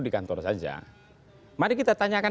di kantor saja mari kita tanyakan